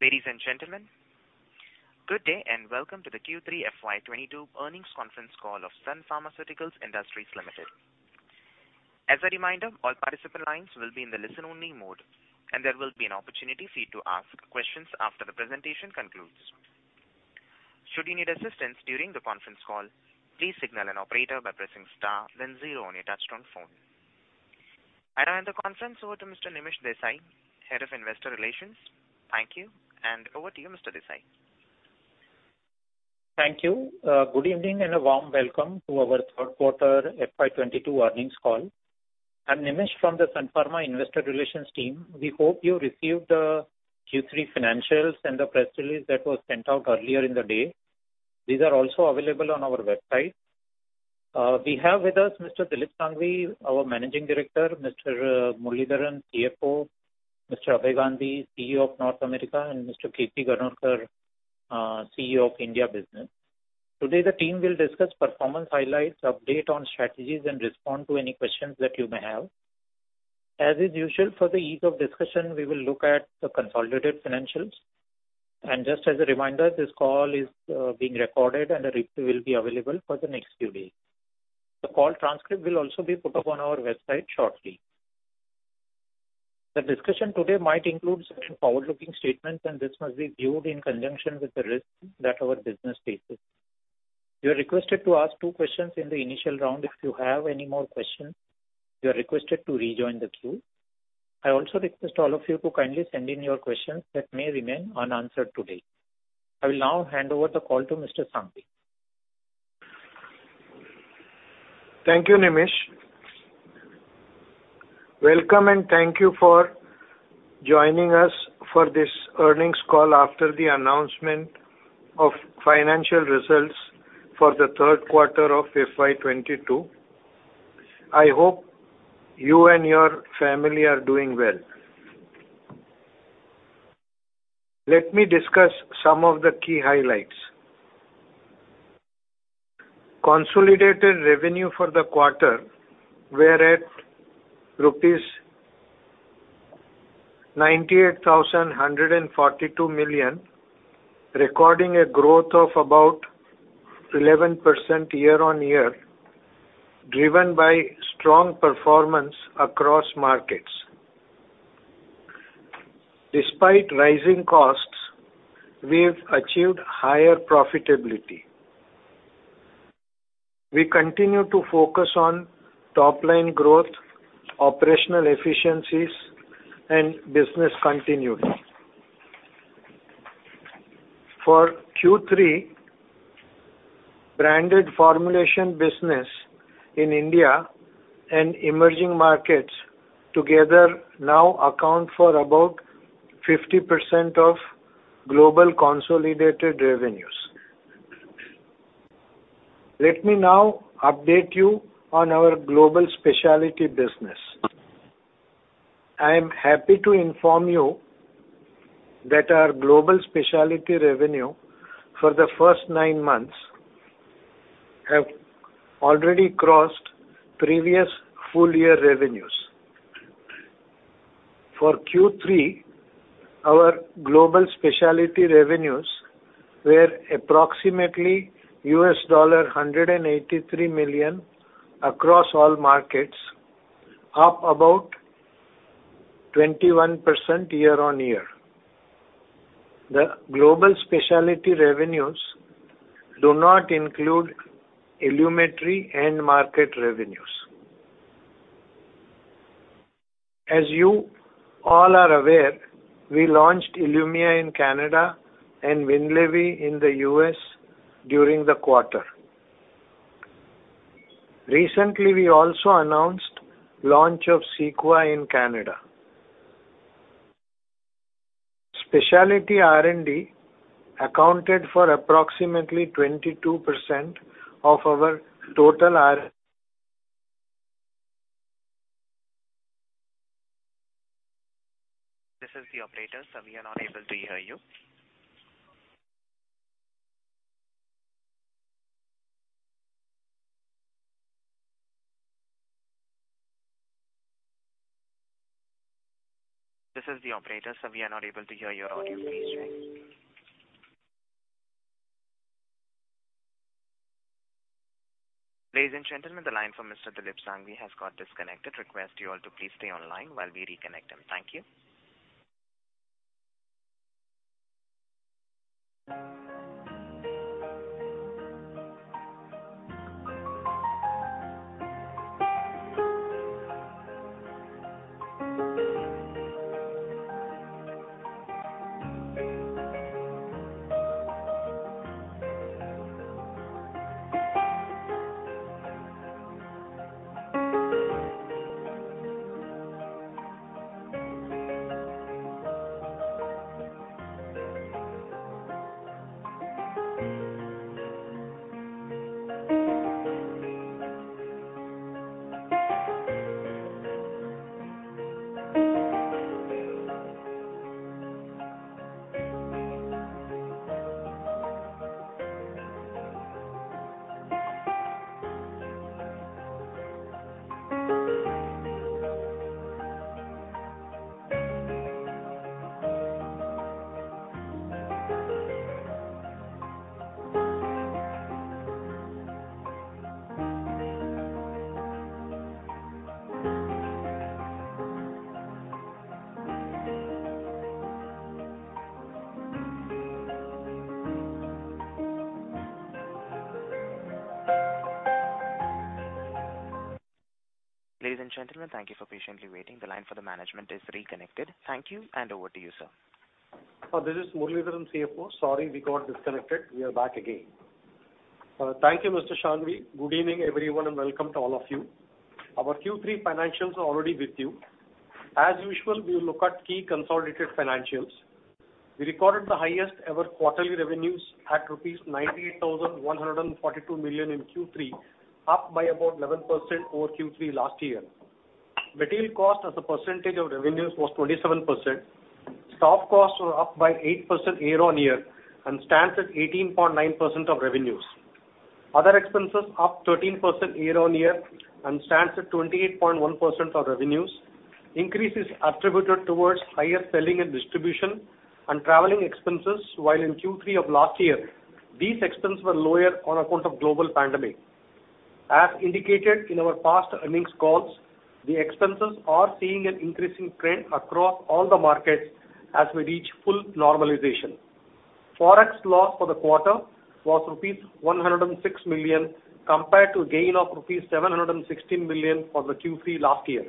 Ladies and gentlemen, good day, and welcome to the Q3 FY 2022 earnings conference call of Sun Pharmaceutical Industries Limited. As a reminder, all participant lines will be in the listen-only mode, and there will be an opportunity for you to ask questions after the presentation concludes. Should you need assistance during the conference call, please signal an operator by pressing star then zero on your touchtone phone. I now hand the conference over to Mr. Nimish Desai, Head of Investor Relations. Thank you, and over to you, Mr. Desai. Thank you. Good evening and a warm welcome to our Q3 FY 2022 earnings call. I'm Nimish from the Sun Pharma Investor Relations team. We hope you received the Q3 financials and the press release that was sent out earlier in the day. These are also available on our website. We have with us Mr. Dilip Shanghvi, our Managing Director, Mr. Muralidharan, CFO, Mr. Abhay Gandhi, CEO of North America, and Mr. Kirti Ganorkar, CEO of India Business. Today, the team will discuss performance highlights, update on strategies and respond to any questions that you may have. As is usual for the ease of discussion, we will look at the consolidated financials. Just as a reminder, this call is being recorded and a replay will be available for the next few days. The call transcript will also be put up on our website shortly. The discussion today might include certain forward-looking statements, and this must be viewed in conjunction with the risks that our business faces. You are requested to ask two questions in the initial round. If you have any more questions, you are requested to rejoin the queue. I also request all of you to kindly send in your questions that may remain unanswered today. I will now hand over the call to Mr. Shanghvi. Thank you, Nimish. Welcome, and thank you for joining us for this earnings call after the announcement of financial results for the Q3 of FY 2022. I hope you and your family are doing well. Let me discuss some of the key highlights. Consolidated revenue for the quarter were at rupees 98,142 million, recording a growth of about 11% year-over-year, driven by strong performance across markets. Despite rising costs, we've achieved higher profitability. We continue to focus on top line growth, operational efficiencies, and business continuity. For Q3, branded formulation business in India and emerging markets together now account for about 50% of global consolidated revenues. Let me now update you on our global specialty business. I am happy to inform you that our global specialty revenue for the first 9 months have already crossed previous full year revenues. For Q3, our global specialty revenues were approximately $183 million across all markets, up about 21% year-on-year. The global specialty revenues do not include ILUMETRI and ILUMYA revenues. As you all are aware, we launched ILUMYA in Canada and WINLEVI in the U.S. during the quarter. Recently, we also announced launch of CEQUA in Canada. Specialty R&D accounted for approximately 22% of our total R- This is the operator. Sir, we are not able to hear you. This is the operator. Sir, we are not able to hear your audio. Please try again. Ladies and gentlemen, the line for Mr. Dilip Shanghvi has got disconnected. Request you all to please stay online while we reconnect him. Thank you. Ladies and gentlemen, thank you for patiently waiting. The line for the management is reconnected. Thank you, and over to you, sir. This is Muralidharan, CFO. Sorry, we got disconnected. We are back again. Thank you, Mr. Shanghvi. Good evening, everyone, and welcome to all of you. Our Q3 financials are already with you. As usual, we will look at key consolidated financials. We recorded the highest ever quarterly revenues at rupees 98,142 million in Q3, up by about 11% over Q3 last year. Material cost as a percentage of revenues was 27%. Staff costs were up by 8% year-on-year and stands at 18.9% of revenues. Other expenses up 13% year-on-year and stands at 28.1% of revenues. Increase is attributed towards higher selling and distribution and traveling expenses, while in Q3 of last year, these expenses were lower on account of global pandemic. As indicated in our past earnings calls, the expenses are seeing an increasing trend across all the markets as we reach full normalization. Forex loss for the quarter was rupees 106 million compared to gain of rupees 716 million for the Q3 last year.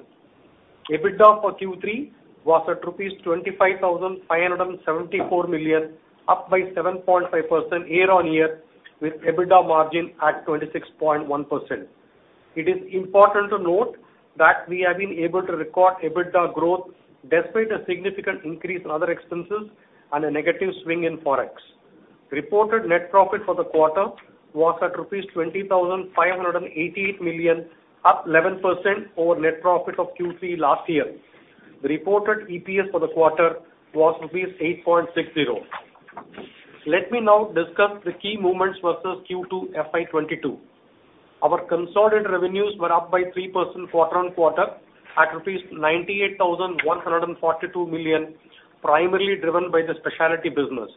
EBITDA for Q3 was at rupees 25,574 million, up by 7.5% year-on-year, with EBITDA margin at 26.1%. It is important to note that we have been able to record EBITDA growth despite a significant increase in other expenses and a negative swing in Forex. Reported net profit for the quarter was at rupees 20,588 million, up 11% over net profit of Q3 last year. The reported EPS for the quarter was 8.60. Let me now discuss the key movements versus Q2 FY 2022. Our consolidated revenues were up by 3% quarter-on-quarter at rupees 98,142 million, primarily driven by the specialty business.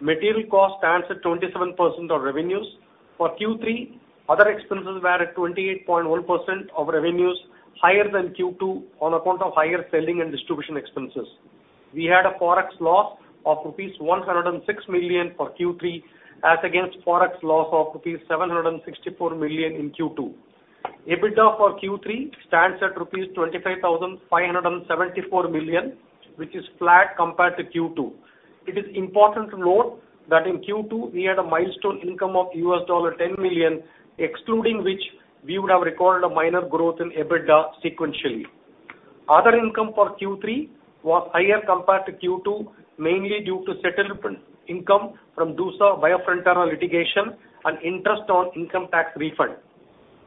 Material cost stands at 27% of revenues. For Q3, other expenses were at 28.1% of revenues, higher than Q2 on account of higher selling and distribution expenses. We had a Forex loss of rupees 106 million for Q3 as against Forex loss of rupees 764 million in Q2. EBITDA for Q3 stands at rupees 25,574 million, which is flat compared to Q2. It is important to note that in Q2 we had a milestone income of $10 million, excluding which we would have recorded a minor growth in EBITDA sequentially. Other income for Q3 was higher compared to Q2, mainly due to settlement income from DUSA / Biofrontera litigation and interest on income tax refund.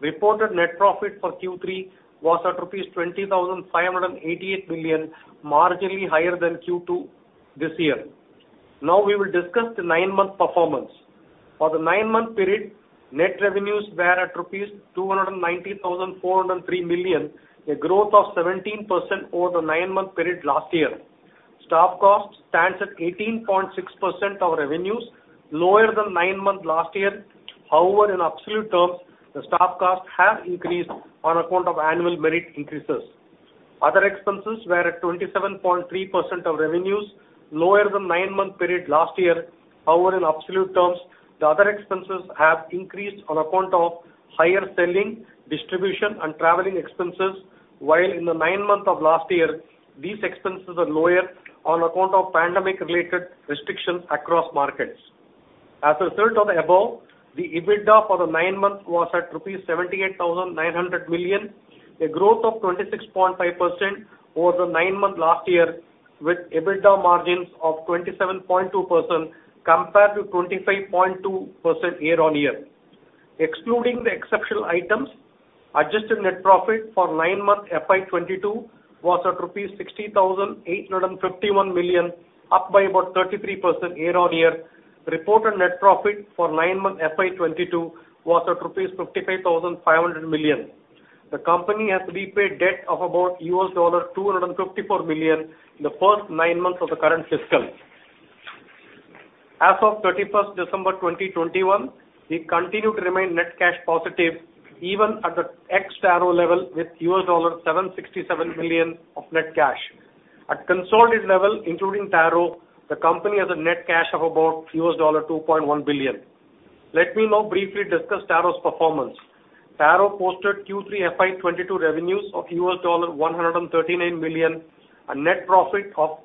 Reported net profit for Q3 was at rupees 20,588 billion, marginally higher than Q2 this year. Now we will discuss the nine-month performance. For the nine-month period, net revenues were at rupees 290,403 million, a growth of 17% over the nine-month period last year. Staff cost stands at 18.6% of revenues, lower than nine-month last year. However, in absolute terms, the staff cost has increased on account of annual merit increases. Other expenses were at 27.3% of revenues, lower than nine-month period last year. However, in absolute terms, the other expenses have increased on account of higher selling, distribution, and traveling expenses. While in the nine months of last year, these expenses are lower on account of pandemic-related restrictions across markets. As a result of the above, the EBITDA for the nine months was at rupees 78,900 million, a growth of 26.5% over the nine months last year, with EBITDA margins of 27.2% compared to 25.2% year-on-year. Excluding the exceptional items, adjusted net profit for nine-month FY 2022 was at rupees 60,851 million, up by about 33% year-on-year. Reported net profit for nine-month FY 2022 was at rupees 55,500 million. The company has repaid debt of about $254 million in the first nine months of the current fiscal. As of December 31, 2021, we continue to remain net cash positive, even at the ex-Taro level with $767 million of net cash. At consolidated level, including Taro, the company has a net cash of about $2.1 billion. Let me now briefly discuss Taro's performance. Taro posted Q3 FY 2022 revenues of $139 million, a net profit of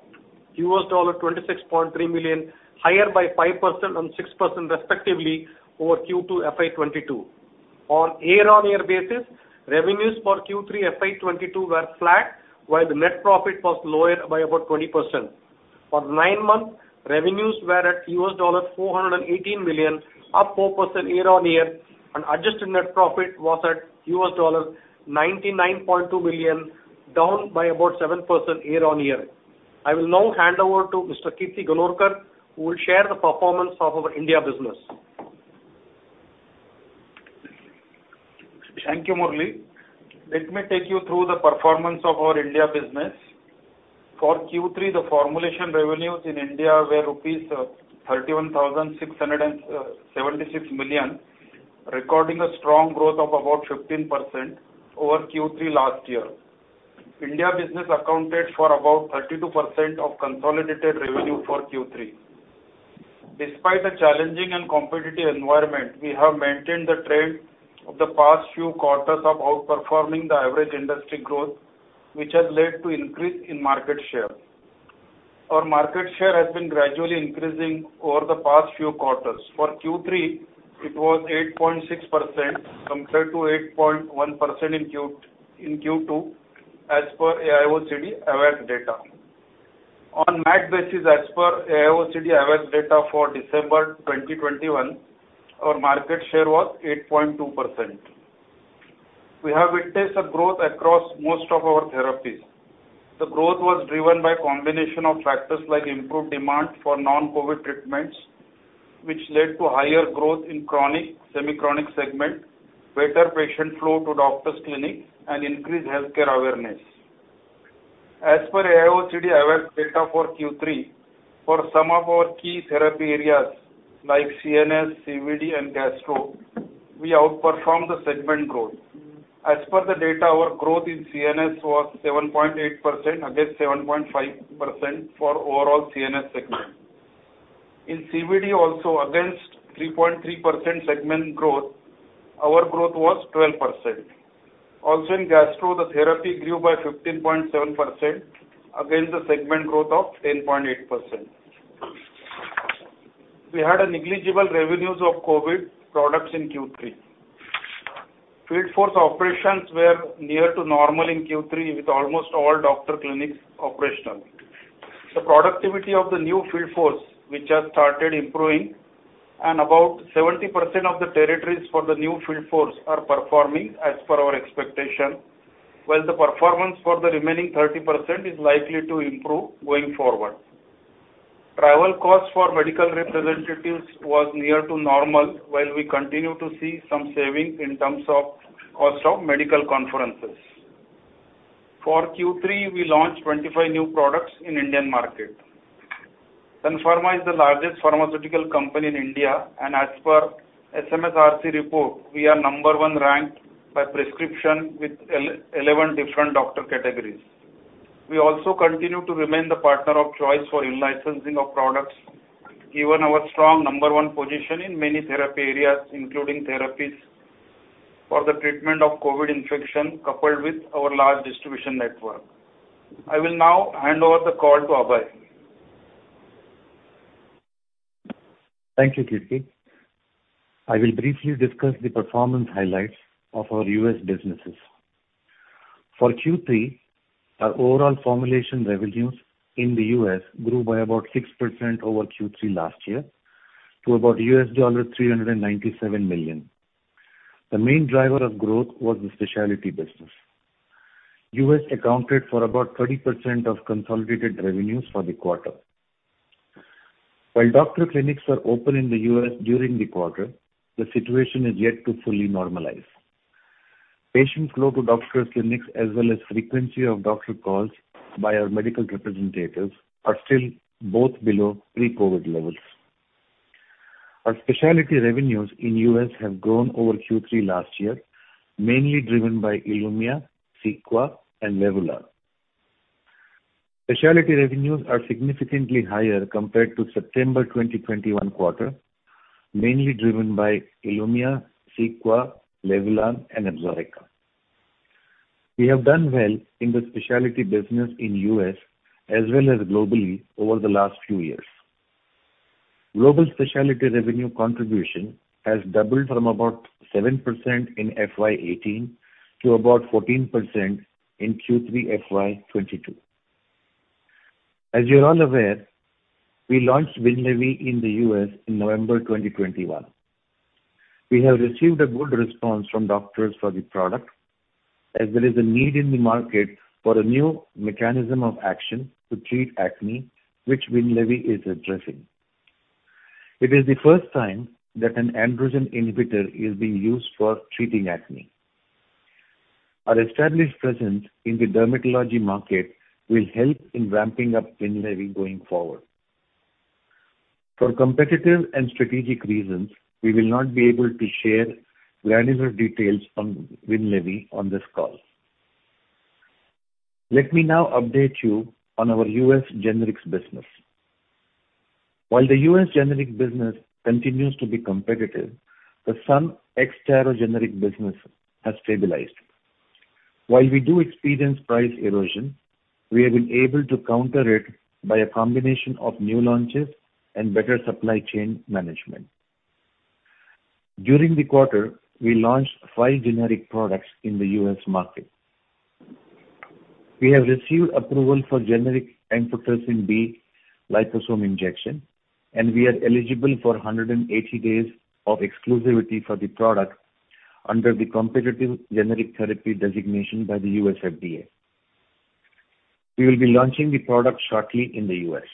$26.3 million, higher by 5% and 6% respectively over Q2 FY 2022. On year-on-year basis, revenues for Q3 FY 2022 were flat, while the net profit was lower by about 20%. For nine months, revenues were at $418 million, up 4% year-on-year, and adjusted net profit was at $99.2 million, down by about 7% year-on-year. I will now hand over to Mr. Kirti Ganorkar, who will share the performance of our India Business. Thank you, Muralidharan. Let me take you through the performance of our India business. For Q3, the formulation revenues in India were 31,676 million rupees, recording a strong growth of about 15% over Q3 last year. India business accounted for about 32% of consolidated revenue for Q3. Despite a challenging and competitive environment, we have maintained the trend of the past few quarters of outperforming the average industry growth, which has led to increase in market share. Our market share has been gradually increasing over the past few quarters. For Q3, it was 8.6% compared to 8.1% in Q2 as per AIOCD AWACS data. On MAT basis as per AIOCD AWACS data for December 2021, our market share was 8.2%. We have witnessed a growth across most of our therapies. The growth was driven by combination of factors like improved demand for non-COVID treatments, which led to higher growth in chronic, semi-chronic segment, better patient flow to doctor's clinic, and increased healthcare awareness. As per AIOCD AWACS data for Q3, for some of our key therapy areas like CNS, CVD, and Gastro, we outperformed the segment growth. As per the data, our growth in CNS was 7.8% against 7.5% for overall CNS segment. In CVD also against 3.3% segment growth, our growth was 12%. Also in Gastro, the therapy grew by 15.7% against the segment growth of 10.8%. We had a negligible revenues of COVID products in Q3. Field force operations were near to normal in Q3, with almost all doctor clinics operational. The productivity of the new field force, which has started improving, and about 70% of the territories for the new field force are performing as per our expectation, while the performance for the remaining 30% is likely to improve going forward. Travel costs for medical representatives was near to normal, while we continue to see some savings in terms of cost of medical conferences. For Q3, we launched 25 new products in Indian market. Sun Pharma is the largest pharmaceutical company in India, and as per SMSRC report, we are number one ranked by prescription with eleven different doctor categories. We also continue to remain the partner of choice for in-licensing of products, given our strong number one position in many therapy areas, including therapies for the treatment of COVID infection, coupled with our large distribution network. I will now hand over the call to Abhay. Thank you, Kirti. I will briefly discuss the performance highlights of our U.S. businesses. For Q3, our overall formulation revenues in the U.S. grew by about 6% over Q3 last year to about $397 million. The main driver of growth was the specialty business. U.S. accounted for about 30% of consolidated revenues for the quarter. While doctor clinics are open in the U.S. during the quarter, the situation is yet to fully normalize. Patients flow to doctor's clinics as well as frequency of doctor calls by our medical representatives are still both below pre-COVID levels. Our specialty revenues in U.S. have grown over Q3 last year, mainly driven by ILUMYA, CEQUA, and LEVULAN. Specialty revenues are significantly higher compared to September 2021 quarter, mainly driven by ILUMYA, CEQUA, LEVULAN, and ABSORICA. We have done well in the specialty business in U.S. as well as globally over the last few years. Global specialty revenue contribution has doubled from about 7% in FY 2018 to about 14% in Q3 FY 2022. As you're all aware, we launched WINLEVI in the U.S. in November 2021. We have received a good response from doctors for the product, as there is a need in the market for a new mechanism of action to treat acne, which WINLEVI is addressing. It is the first time that an androgen inhibitor is being used for treating acne. Our established presence in the dermatology market will help in ramping up WINLEVI going forward. For competitive and strategic reasons, we will not be able to share granular details on WINLEVI on this call. Let me now update you on our U.S. generics business. While the U.S. generic business continues to be competitive, the Sun ex-Taro generic business has stabilized. While we do experience price erosion, we have been able to counter it by a combination of new launches and better supply chain management. During the quarter, we launched five generic products in the U.S. market. We have received approval for generic amphotericin B liposome injection, and we are eligible for 180 days of exclusivity for the product under the competitive generic therapy designation by the U.S. FDA. We will be launching the product shortly in the U.S.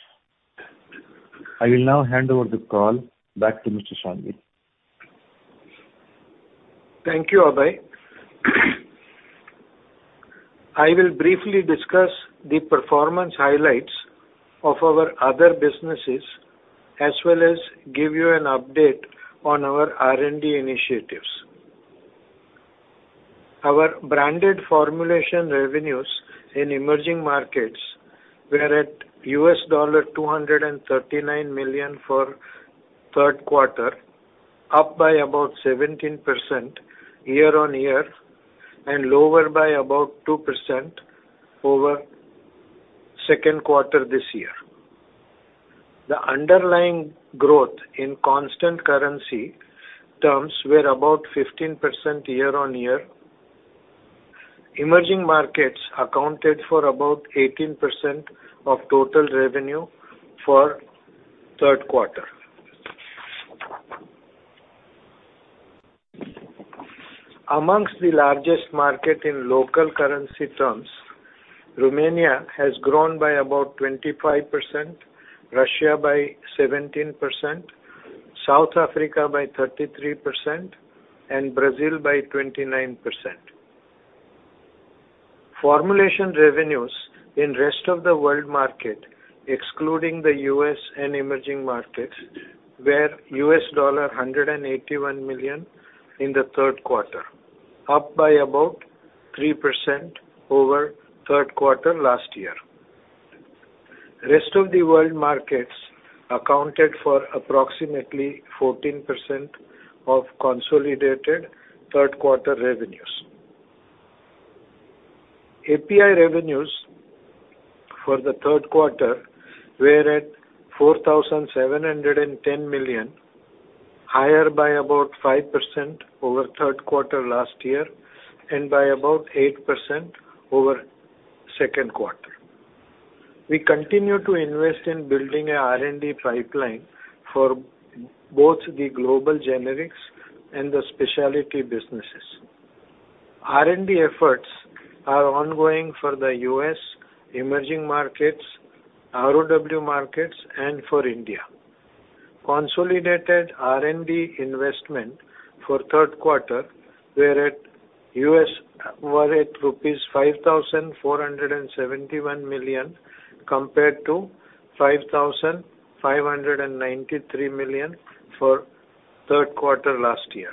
I will now hand over the call back to Mr. Shanghvi. Thank you, Abhay. I will briefly discuss the performance highlights of our other businesses, as well as give you an update on our R&D initiatives. Our branded formulation revenues in emerging markets were at $239 million for Q3, up by about 17% year-on-year and lower by about 2% over Q2 this year. The underlying growth in constant currency terms were about 15% year-on-year. Emerging markets accounted for about 18% of total revenue for Q3. Among the largest market in local currency terms, Romania has grown by about 25%, Russia by 17%, South Africa by 33%, and Brazil by 29%. Formulation revenues in rest of the world market, excluding the U.S. and emerging markets, were $181 million in the Q3, up by about 3% over Q3 last year. Rest of the world markets accounted for approximately 14% of consolidated third quarter revenues. API revenues for the third quarter were at 4,710 million, higher by about 5% over Q3 last year and by about 8% over Q2. We continue to invest in building a R&D pipeline for both the global generics and the specialty businesses. R&D efforts are ongoing for the U.S., emerging markets, ROW markets, and for India. Consolidated R&D investment for Q3 were at rupees 5,471 million compared to 5,593 million for Q3 last year.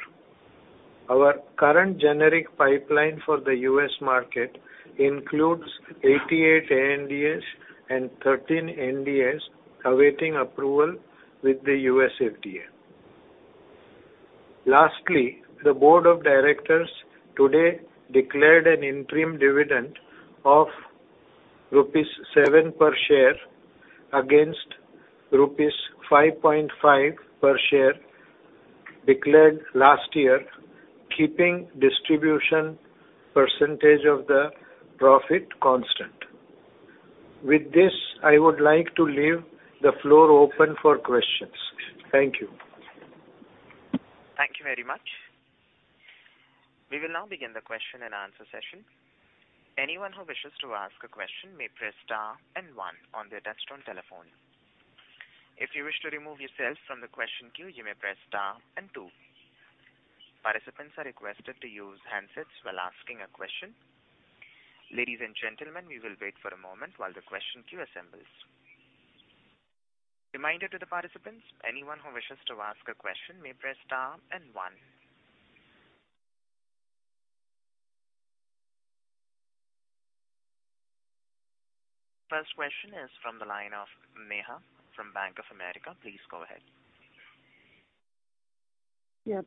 Our current generic pipeline for the U.S. market includes 88 ANDAs and 13 NDAs awaiting approval with the U.S. FDA. Lastly, the board of directors today declared an interim dividend of rupees 7 per share against rupees 5.5 per share declared last year, keeping distribution percentage of the profit constant. With this, I would like to leave the floor open for questions. Thank you. Thank you very much. We will now begin the question and answer session. Anyone who wishes to ask a question may press star and one on their touch-tone telephone. If you wish to remove yourself from the question queue, you may press star and two. Participants are requested to use handsets while asking a question. Ladies and gentlemen, we will wait for a moment while the question queue assembles. Reminder to the participants, anyone who wishes to ask a question may press star and one. First question is from the line of Neha from Bank of America. Please go ahead. Yeah.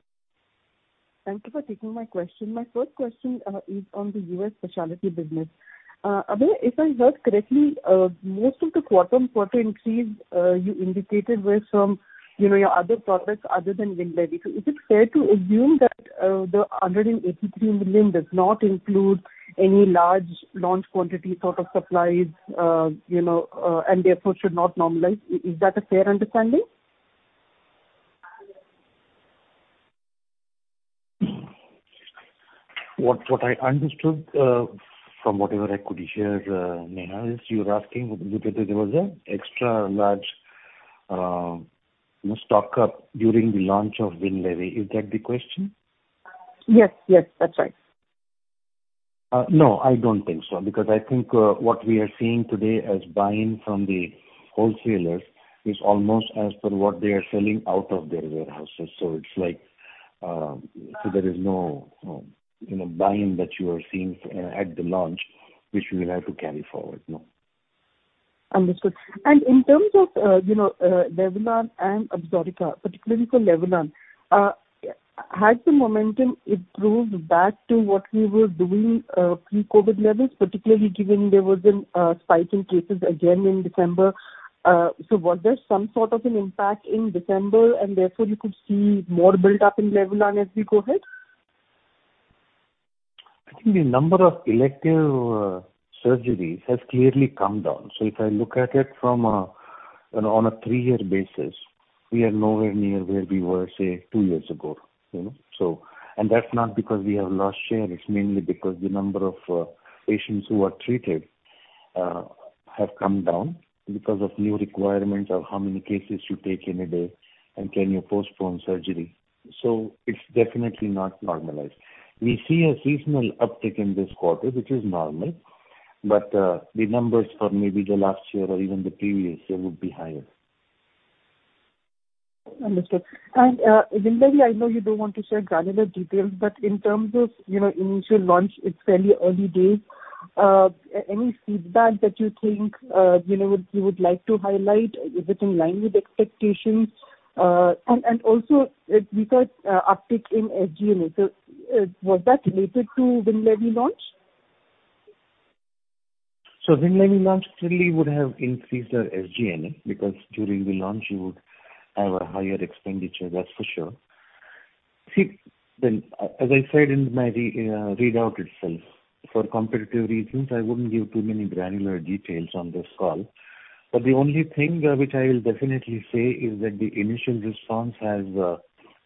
Thank you for taking my question. My first question is on the U.S. specialty business. Abhay, if I heard correctly, most of the quarter-on-quarter increase you indicated was from, you know, your other products other than WINLEVI. So is it fair to assume that the $183 million does not include any large launch quantity sort of supplies, you know, and therefore should not normalize? Is that a fair understanding? What I understood from whatever I could hear, Neha, is you're asking whether there was an extra large stock-up during the launch of WINLEVI. Is that the question? Yes, yes. That's right. No, I don't think so, because I think what we are seeing today as buying from the wholesalers is almost as per what they are selling out of their warehouses. It's like, so there is no, you know, buying that you are seeing at the launch, which we will have to carry forward. No. Understood. In terms of, you know, LEVULAN and ABSORICA, particularly for LEVULAN, has the momentum improved back to what we were doing, pre-COVID levels, particularly given there was a spike in cases again in December? Was there some sort of an impact in December and therefore you could see more build-up in LEVULAN as we go ahead? I think the number of elective surgeries has clearly come down. If I look at it from a, you know, on a three-year basis- We are nowhere near where we were, say, two years ago, you know. That's not because we have lost share, it's mainly because the number of patients who are treated have come down because of new requirements of how many cases you take in a day, and can you postpone surgery. It's definitely not normalized. We see a seasonal uptick in this quarter, which is normal, but the numbers for maybe the last year or even the previous year would be higher. Understood. WINLEVI, I know you don't want to share granular details, but in terms of, you know, initial launch, it's fairly early days. Any feedback that you think, you know, you would like to highlight, is it in line with expectations? Also, we saw uptick in SG&A. Was that related to WINLEVI launch? WINLEVI launch certainly would have increased our SG&A because during the launch you would have a higher expenditure, that's for sure. See, as I said in my readout itself, for competitive reasons, I wouldn't give too many granular details on this call. The only thing which I will definitely say is that the initial response has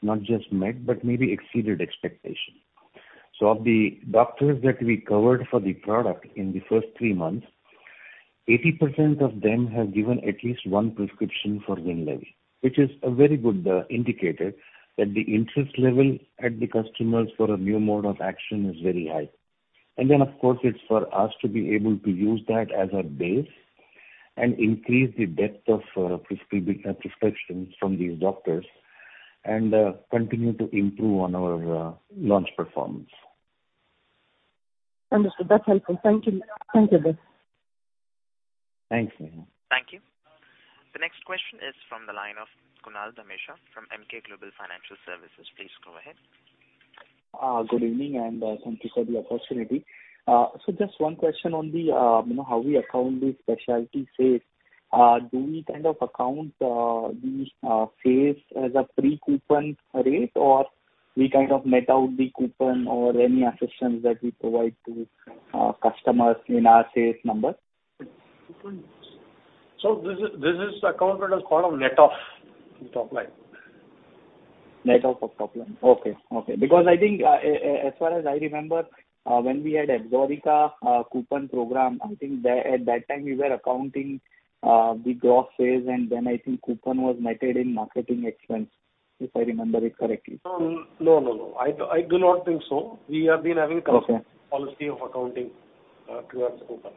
not just met, but maybe exceeded expectation. Of the doctors that we covered for the product in the first three months, 80% of them have given at least one prescription for WINLEVI, which is a very good indicator that the interest level at the customers for a new mode of action is very high. Of course, it's for us to be able to use that as a base and increase the depth of prescriptions from these doctors and continue to improve on our launch performance. Understood. That's helpful. Thank you. Thank you, Dev. Thanks, Neha. Thank you. The next question is from the line of Kunal Dhamesha from Emkay Global Financial Services. Please go ahead. Good evening, and thank you for the opportunity. Just one question on the, you know, how we account the specialty sales. Do we kind of account the sales as a pre-coupon rate, or we kind of net out the coupon or any assistance that we provide to customers in our sales number? Coupon. This is accounted as part of net off from top line. Net off of top line. Okay. Okay. Because I think, as far as I remember, when we had ABSORICA coupon program, I think that at that time we were accounting the gross sales, and then I think coupon was netted in marketing expense, if I remember it correctly. No, no. I do not think so. We have been having Okay. Policy of accounting toward coupon.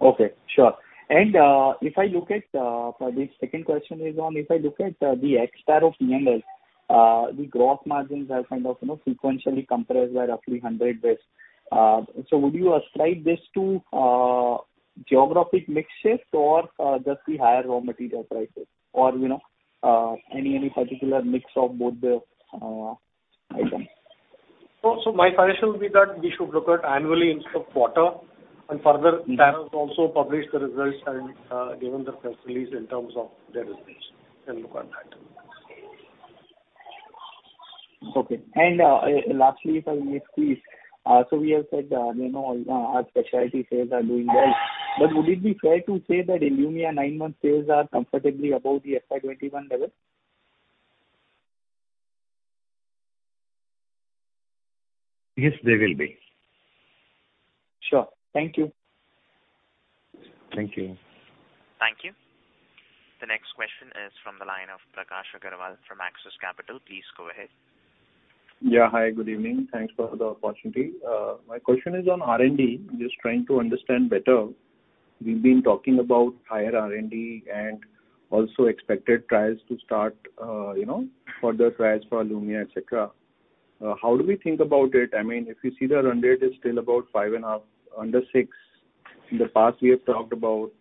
Okay. Sure. The second question is on if I look at the ex-Taro, the gross margins are kind of sequentially compressed by roughly 100 basis points. Would you ascribe this to geographic mix shift or just the higher raw material prices? Or any particular mix of both the items. My suggestion would be that we should look at annually instead of quarterly. Taro also published the results and, given the press release in terms of their results, then look at that. Okay. Lastly, if I may please. We have said, you know, our specialty sales are doing well. Would it be fair to say that ILUMYA nine-month sales are comfortably above the FY 2021 level? Yes, they will be. Sure. Thank you. Thank you. Thank you. The next question is from the line of Prakash Agarwal from Axis Capital. Please go ahead. Yeah. Hi, good evening. Thanks for the opportunity. My question is on R&D. Just trying to understand better. We've been talking about higher R&D and also expected trials to start, you know, further trials for ILUMYA, et cetera. How do we think about it? I mean, if you see the run rate is still about 5.5%, under 6%. In the past, we have talked about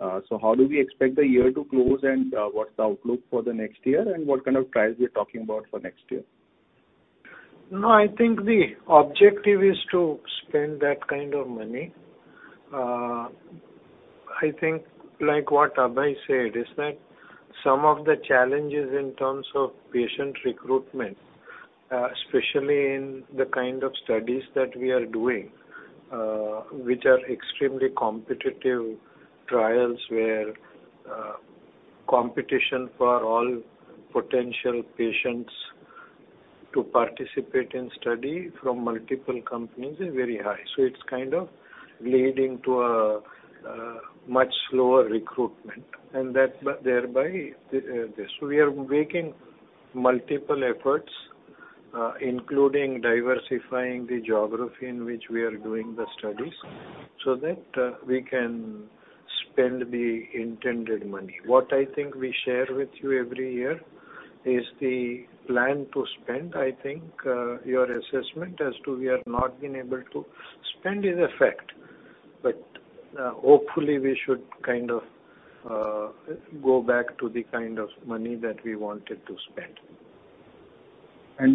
8%. How do we expect the year to close, and what's the outlook for the next year? What kind of trials we are talking about for next year? No, I think the objective is to spend that kind of money. I think, like what Abhay said, is that some of the challenges in terms of patient recruitment, especially in the kind of studies that we are doing, which are extremely competitive trials where competition for all potential patients to participate in study from multiple companies is very high. So it's kind of leading to a much slower recruitment, and thereby this. We are making multiple efforts, including diversifying the geography in which we are doing the studies so that we can spend the intended money. What I think we share with you every year is the plan to spend. I think your assessment as to we have not been able to spend is a fact, but hopefully we should kind of go back to the kind of money that we wanted to spend.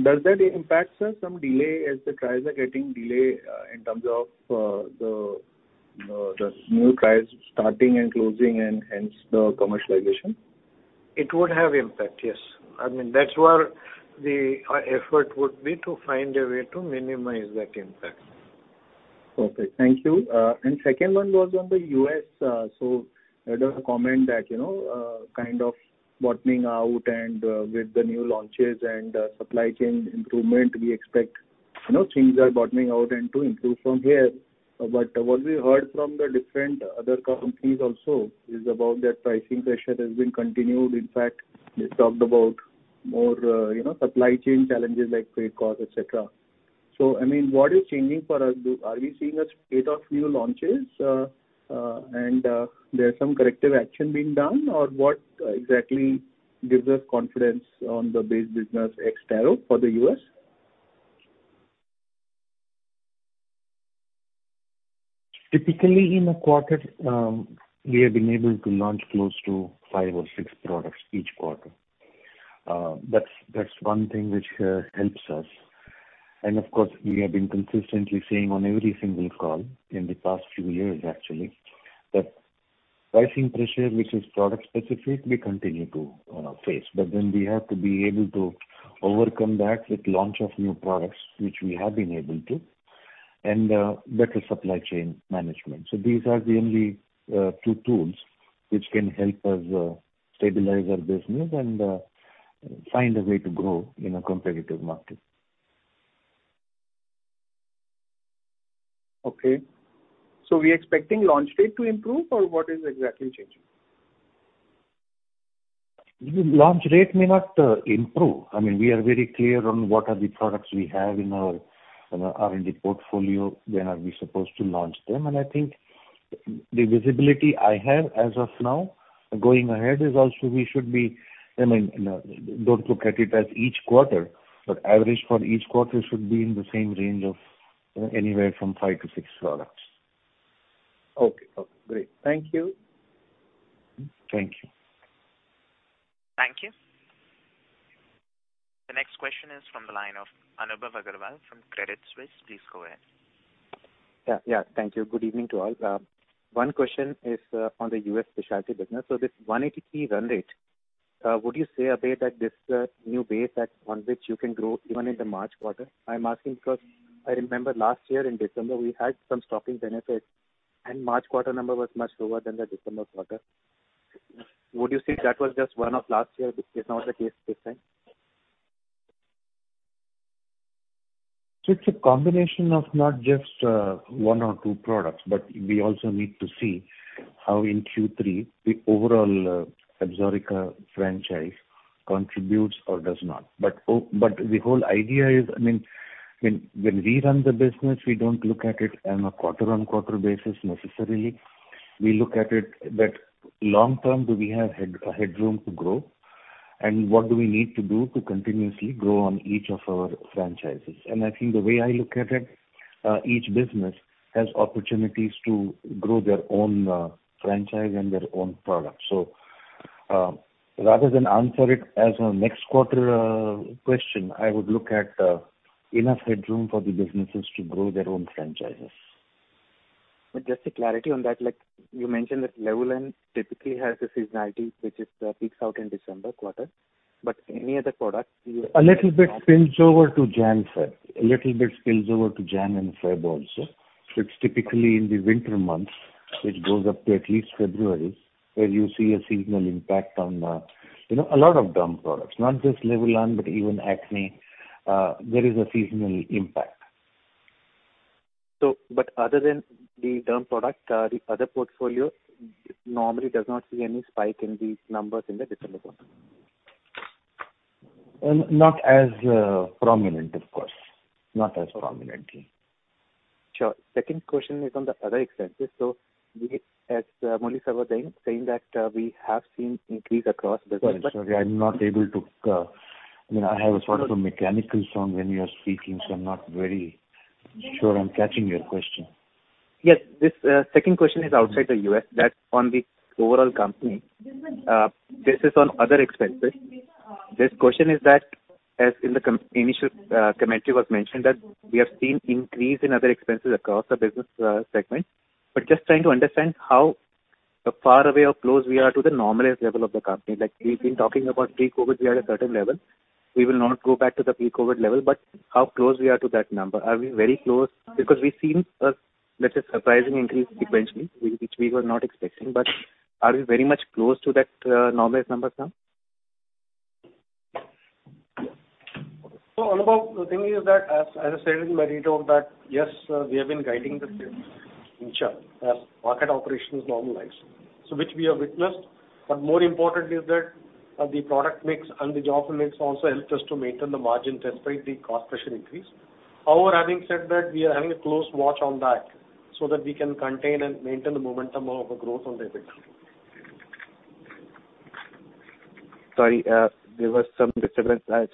Does that impact, sir, some delay as the trials are getting delayed in terms of the new trials starting and closing and hence the commercialization? It would have impact, yes. I mean, that's where the effort would be to find a way to minimize that impact. Okay. Thank you. Second one was on the U.S. There was a comment that, you know, kind of bottoming out and, with the new launches and, supply chain improvement, we expect, you know, things are bottoming out and to improve from here. What we heard from the different other companies also is about that pricing pressure has been continued. In fact, they talked about more, you know, supply chain challenges like freight cost, et cetera. I mean, what is changing for us? Are we seeing a spate of new launches? And there are some corrective action being done? Or what exactly gives us confidence on the base business ex-Taro for the U.S.? Typically, in a quarter, we have been able to launch close to five or six products each quarter. That's one thing which helps us. Of course, we have been consistently saying on every single call in the past few years actually, that pricing pressure, which is product specific, we continue to face. We have to be able to overcome that with launch of new products, which we have been able to, and better supply chain management. These are the only two tools which can help us stabilize our business and find a way to grow in a competitive market. Okay. We're expecting launch rate to improve or what is exactly changing? Launch rate may not improve. I mean, we are very clear on what are the products we have in our R&D portfolio, when are we supposed to launch them. I think the visibility I have as of now going ahead is also we should be. I mean, don't look at it as each quarter, but average for each quarter should be in the same range of, you know, anywhere from 5-6 products. Okay. Okay, great. Thank you. Thank you. Thank you. The next question is from the line of Anubhav Aggarwal from Credit Suisse. Please go ahead. Yeah. Thank you. Good evening to all. One question is on the U.S. specialty business. This one at key run rate, would you say, Abhay, that this new base that on which you can grow even in the March quarter? I'm asking because I remember last year in December we had some stocking benefits, and March quarter number was much lower than the December quarter. Would you say that was just one-off last year, which is not the case this time? It's a combination of not just one or two products, but we also need to see how in Q3 the overall ABSORICA franchise contributes or does not. But the whole idea is, I mean, when we run the business, we don't look at it on a quarter-on-quarter basis necessarily. We look at it that long term do we have headroom to grow, and what do we need to do to continuously grow on each of our franchises. I think the way I look at it, each business has opportunities to grow their own franchise and their own product. Rather than answer it as a next quarter question, I would look at enough headroom for the businesses to grow their own franchises. Just a clarity on that, like you mentioned that LEVULAN typically has a seasonality which peaks out in December quarter. Any other product you- A little bit spills over to January, February. A little bit spills over to January and February also. It's typically in the winter months, which goes up to at least February, where you see a seasonal impact on a lot of derm products. Not just LEVULAN, but even acne, there is a seasonal impact. Other than the derm product, the other portfolio normally does not see any spike in these numbers in the December quarter. Not as prominent, of course. Not as prominently. Sure. Second question is on the other expenses. As C. S. Muralidharan was saying that we have seen increase across business but- Sorry, I'm not able to. I mean, I have a sort of a mechanical sound when you are speaking, so I'm not very sure I'm catching your question. Yes. This second question is outside the US, that's on the overall company. This is on other expenses. This question is that, as in the initial commentary was mentioned that we have seen increase in other expenses across the business segment. Just trying to understand how far away or close we are to the normalized level of the company. Like we've been talking about pre-COVID, we are at a certain level. We will not go back to the pre-COVID level, but how close we are to that number? Are we very close? Because we've seen a, let's say, surprising increase sequentially, which we were not expecting. Are we very much close to that normalized number now? Anubhav, the thing is that as I said in my talk that yes, we have been guiding the sales inch up as market operations normalize, which we have witnessed. More importantly, the product mix and the geo mix also helped us to maintain the margin despite the cost pressure increase. However, having said that, we are having a close watch on that so that we can contain and maintain the momentum of growth on revenue. Sorry, there was some disturbance. What's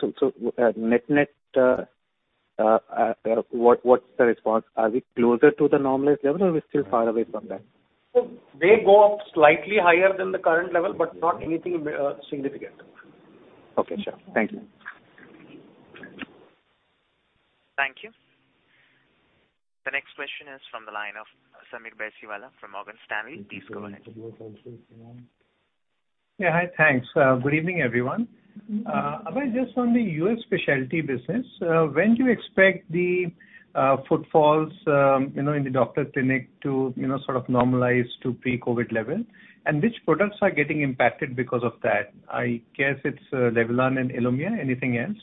the response? Are we closer to the normalized level or are we still far away from that? They go up slightly higher than the current level, but not anything significant. Okay, sure. Thank you. Thank you. The next question is from the line of Sameer Baisiwala from Morgan Stanley. Please go ahead. Yeah. Hi. Thanks. Good evening, everyone. Abhay, just on the U.S. specialty business, when do you expect the footfalls, you know, in the doctor clinic to, you know, sort of normalize to pre-COVID level? And which products are getting impacted because of that? I guess it's LEVULAN and ILUMYA. Anything else?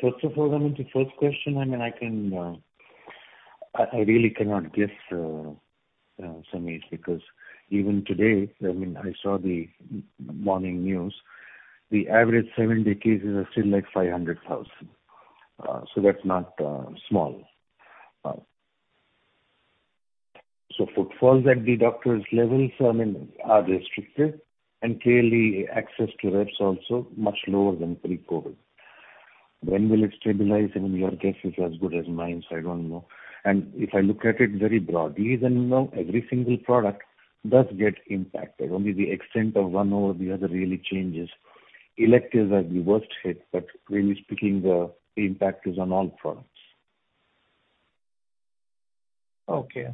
First of all, I mean, to the first question, I mean, I really cannot guess, Sameer, because even today, I mean, I saw the morning news. The average seven-day cases are still, like, 500,000. So that's not small. So footfalls at the doctor's level, I mean, are restricted, and clearly access to reps also much lower than pre-COVID. When will it stabilize? I mean, your guess is as good as mine, so I don't know. If I look at it very broadly, then, you know, every single product does get impacted. Only the extent of one over the other really changes. Electives are the worst hit, but really speaking, the impact is on all products. Okay.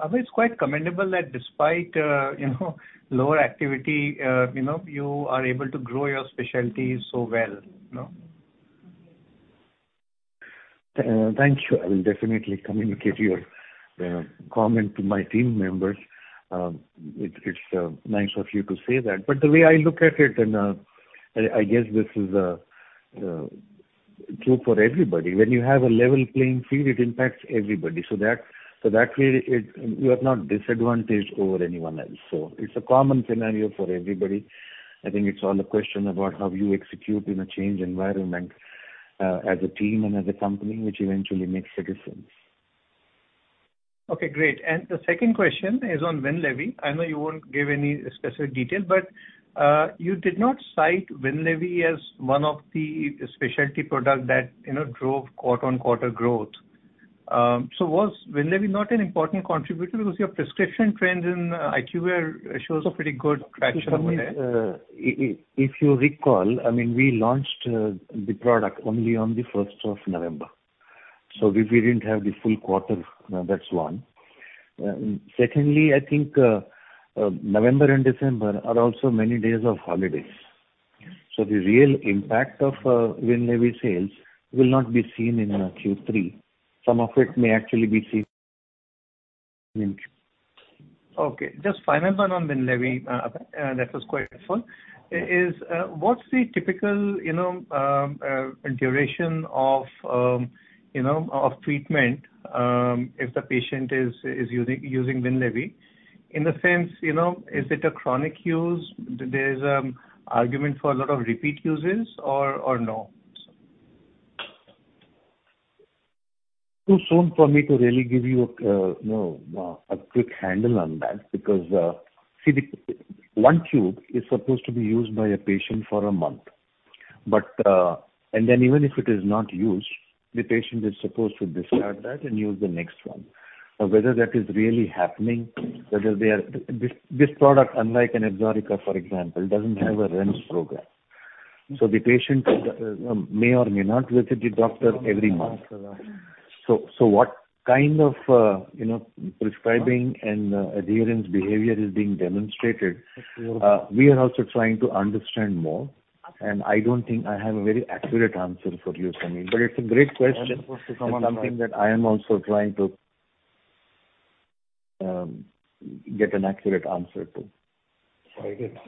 Abhay, it's quite commendable that despite, you know, lower activity, you know, you are able to grow your specialties so well, you know? Thank you. I will definitely communicate your comment to my team members. It's nice of you to say that. The way I look at it and I guess this is true for everybody. When you have a level playing field, it impacts everybody. That way you are not disadvantaged over anyone else. It's a common scenario for everybody. I think it's all a question about how you execute in a change environment as a team and as a company, which eventually makes the difference. Okay, great. The second question is on WINLEVI. I know you won't give any specific detail, but you did not cite WINLEVI as one of the specialty product that, you know, drove quarter-on-quarter growth. So was WINLEVI not an important contributor? Because your prescription trends in IQVIA shows a pretty good traction over there. Sameer, if you recall, I mean, we launched the product only on the first of November, so we didn't have the full quarter. That's one. Secondly, I think November and December are also many days of holidays. Yes. The real impact of WINLEVI sales will not be seen in Q3. Some of it may actually be seen in Q- Okay. Just final one on WINLEVI, Abhay, that was quite helpful. What's the typical, you know, duration of, you know, of treatment, if the patient is using WINLEVI? In the sense, you know, is it a chronic use? There's argument for a lot of repeat uses or no? Too soon for me to really give you a you know a quick handle on that because see the one tube is supposed to be used by a patient for a month. Even if it is not used the patient is supposed to discard that and use the next one. Now whether that is really happening whether they are this product unlike an ABSORICA for example doesn't have a REMS program. The patient may or may not visit the doctor every month. What kind of, you know, prescribing and adherence behavior is being demonstrated? Sure We are also trying to understand more. Okay. I don't think I have a very accurate answer for you, Sameer. It's a great question. I understand. It's something that I am also trying to get an accurate answer to. Very good.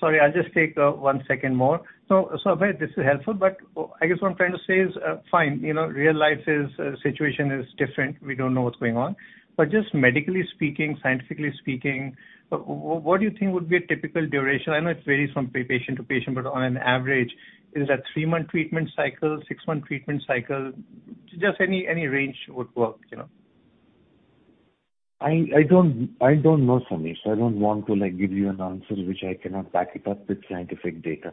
Sorry, I'll just take one second more. Abhay, this is helpful, but I guess what I'm trying to say is, fine, you know, real life is, situation is different. We don't know what's going on. Just medically speaking, scientifically speaking, what do you think would be a typical duration? I know it varies from patient to patient, but on an average, is it a three-month treatment cycle, six-month treatment cycle? Just any range would work, you know. I don't know, Sameer. I don't want to, like, give you an answer which I cannot back it up with scientific data.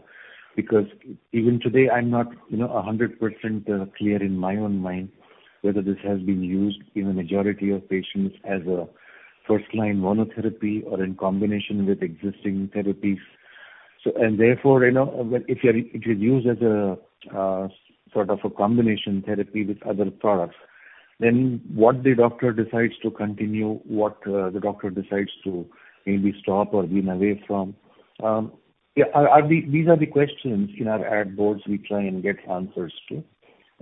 Because even today, I'm not, you know, 100% clear in my own mind whether this has been used in a majority of patients as a first line monotherapy or in combination with existing therapies. If it is used as a sort of a combination therapy with other products, then what the doctor decides to continue, what the doctor decides to maybe stop or wean away from are the questions in our ad boards we try and get answers to.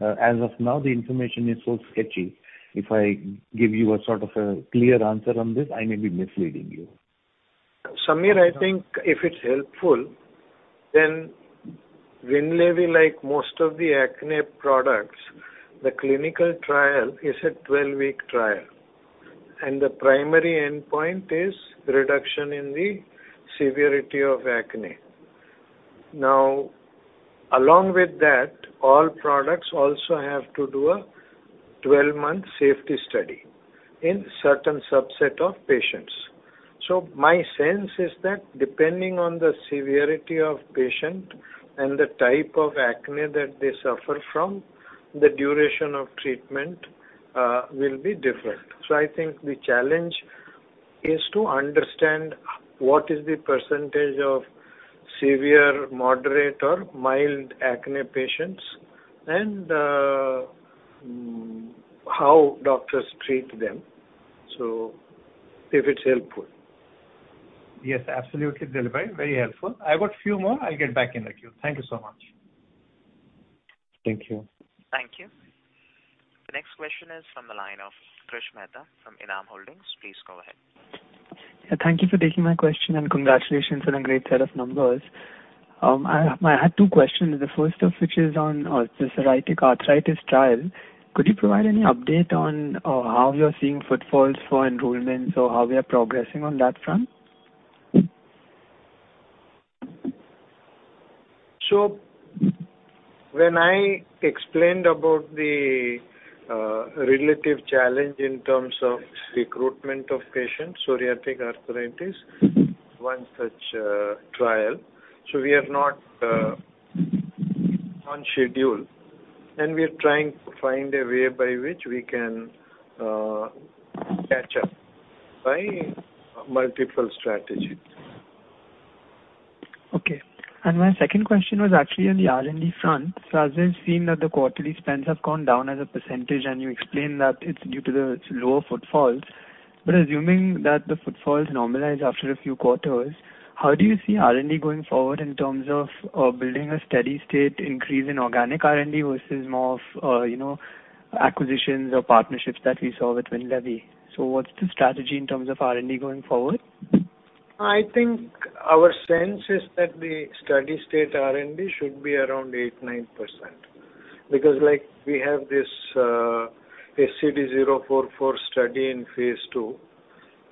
As of now, the information is so sketchy. If I give you a sort of a clear answer on this, I may be misleading you. Sameer, I think if it's helpful, then WINLEVI, like most of the acne products, the clinical trial is a 12-week trial, and the primary endpoint is reduction in the severity of acne. Now, along with that, all products also have to do a 12-month safety study in certain subset of patients. My sense is that depending on the severity of patient and the type of acne that they suffer from, the duration of treatment will be different. I think the challenge is to understand what is the percentage of severe, moderate, or mild acne patients and, how doctors treat them. If it's helpful. Yes, absolutely, Dilip bhai. Very helpful. I've got few more. I'll get back in the queue. Thank you so much. Thank you. Thank you. The next question is from the line of Krish Mehta from Enam Holdings. Please go ahead. Thank you for taking my question, and congratulations on a great set of numbers. I had two questions. The first of which is on the psoriatic arthritis trial. Could you provide any update on how you're seeing footfalls for enrollments or how we are progressing on that front? When I explained about the relative challenge in terms of recruitment of patients, psoriatic arthritis, one such trial. We are not on schedule, and we are trying to find a way by which we can catch up by multiple strategies. Okay. My second question was actually on the R&D front. As we've seen that the quarterly spends have gone down as a percentage, and you explained that it's due to the lower footfalls. Assuming that the footfalls normalize after a few quarters, how do you see R&D going forward in terms of building a steady state increase in organic R&D versus more of you know acquisitions or partnerships that we saw with WINLEVI? What's the strategy in terms of R&D going forward? I think our sense is that the steady state R&D should be around 8-9%. Because, like, we have this SCD-044 study in phase II.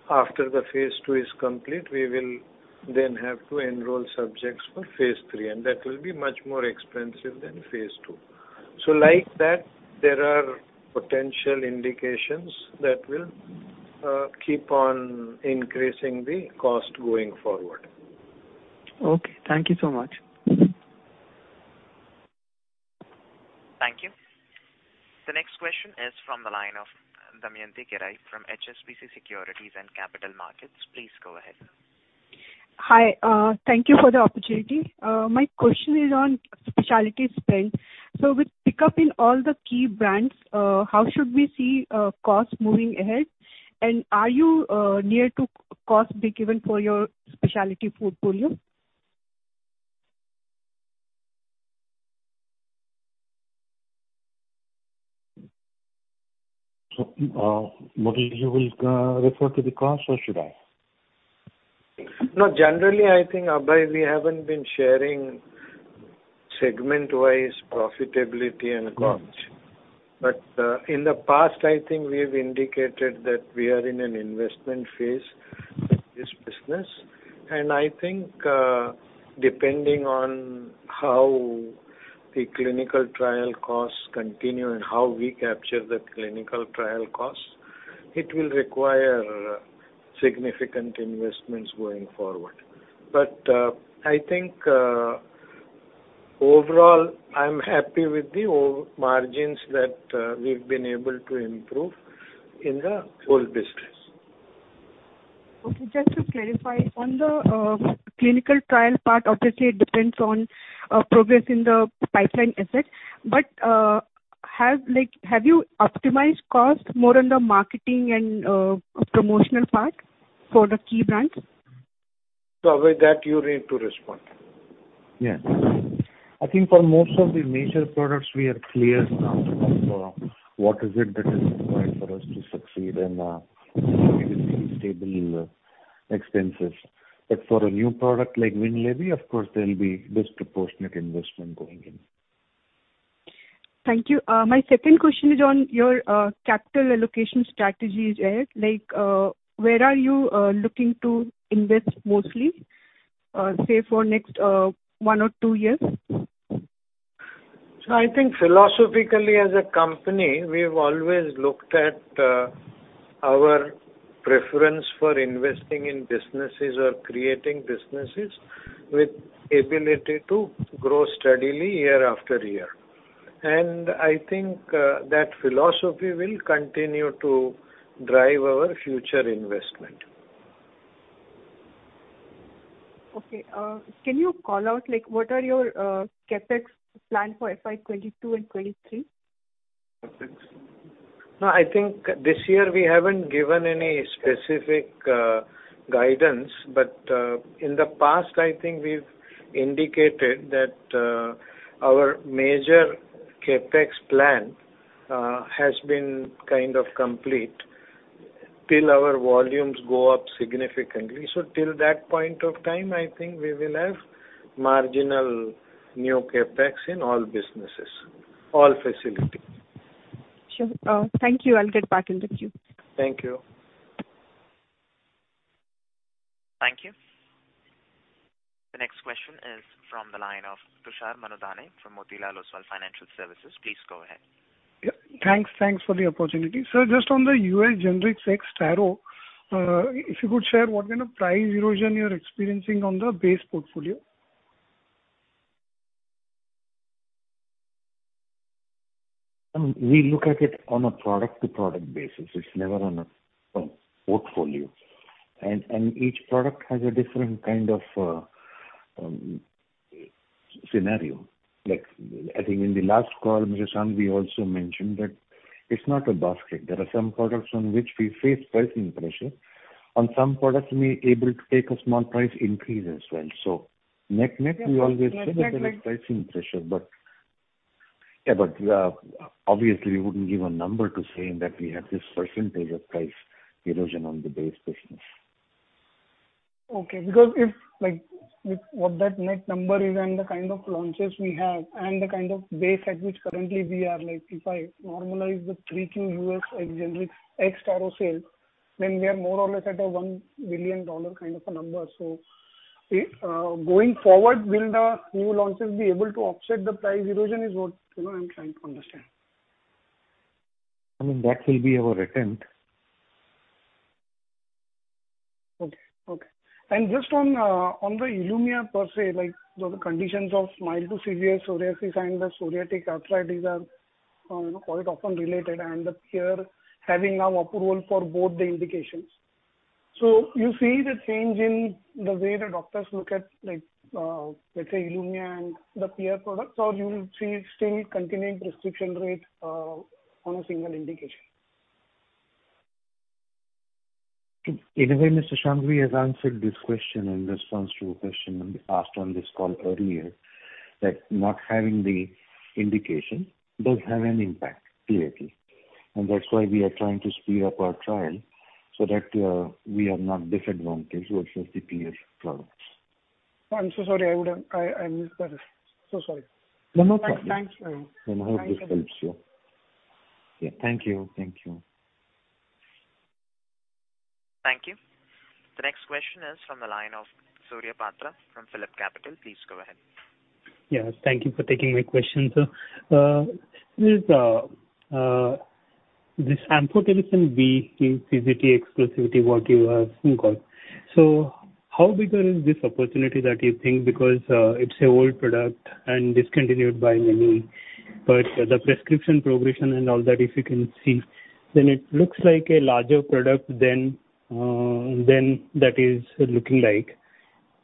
After the phase II is complete, we will then have to enroll subjects for phase III, and that will be much more expensive than phase II. So like that, there are potential indications that will keep on increasing the cost going forward. Okay, thank you so much. Thank you. The next question is from the line of Damayanti Kerai from HSBC Securities and Capital Markets. Please go ahead. Hi, thank you for the opportunity. My question is on specialty spend. With pickup in all the key brands, how should we see costs moving ahead? Are you near to cost breakeven for your specialty portfolio? Madhu, you will refer to the costs or should I? No, generally, I think, Abhay, we haven't been sharing segment-wise profitability and costs. In the past, I think we've indicated that we are in an investment phase with this business. I think, depending on how the clinical trial costs continue and how we capture the clinical trial costs, it will require significant investments going forward. I think, overall, I'm happy with the margins that we've been able to improve in the whole business. Okay, just to clarify, on the clinical trial part, obviously it depends on progress in the pipeline asset. Like, have you optimized costs more on the marketing and promotional part for the key brands? Abhay, that you need to respond. Yes. I think for most of the major products, we are clear now of what is it that is required for us to succeed and keep stable expenses. But for a new product like WINLEVI, of course there will be disproportionate investment going in. Thank you. My second question is on your capital allocation strategies ahead. Like, where are you looking to invest mostly, say for next one or two years? I think philosophically as a company, we've always looked at our preference for investing in businesses or creating businesses with ability to grow steadily year after year. I think that philosophy will continue to drive our future investment. Okay. Can you call out, like, what are your CapEx plan for FY 2022 and 2023? CapEx? No, I think this year we haven't given any specific guidance. In the past, I think we've indicated that our major CapEx plan has been kind of complete till our volumes go up significantly. Till that point of time, I think we will have marginal new CapEx in all businesses, all facilities. Sure. Thank you. I'll get back in the queue. Thank you. Thank you. The next question is from the line of Tushar Manudhane from Motilal Oswal Financial Services. Please go ahead. Yeah. Thanks. Thanks for the opportunity. Sir, just on the U.S. generics ex-Taro, if you could share what kind of price erosion you're experiencing on the base portfolio. We look at it on a product to product basis. It's never on a portfolio. Each product has a different kind of scenario. Like, I think in the last call, Mr. Shanghvi, we also mentioned that it's not a basket. There are some products on which we face pricing pressure. On some products we're able to take a small price increase as well. Net-net we always say that there is pricing pressure. Yeah, obviously we wouldn't give a number to say that we have this percentage of price erosion on the base business. Okay. Because if, like, with what that net number is and the kind of launches we have and the kind of base at which currently we are, like if I normalize the three Qs like generic ex-Taro sales, then we are more or less at a $1 billion kind of a number. Going forward, will the new launches be able to offset the price erosion? That is what, you know, I'm trying to understand. I mean, that will be our attempt. Okay. Just on the ILUMYA per se, like the conditions of mild to severe psoriasis and the psoriatic arthritis are quite often related, and the peer having now approval for both the indications. You see the change in the way the doctors look at like, let's say ILUMYA and the peer products, or you will see it still continuing prescription rate on a single indication. In a way, Mr. Shanghvi has answered this question in response to a question asked on this call earlier, that not having the indication does have an impact, clearly. That's why we are trying to speed up our trial so that we are not disadvantaged versus the peer products. I'm so sorry, I missed that. Sorry. No, no problem. Thanks. I hope this helps you. Yeah. Thank you. Thank you. Thank you. The next question is from the line of Surya Patra from PhillipCapital. Please go ahead. Yes, thank you for taking my question, sir. This Amphotericin B CGT exclusivity, what you have in call. How bigger is this opportunity that you think because it's a old product and discontinued by many. The prescription progression and all that, if you can see, then it looks like a larger product than that is looking like.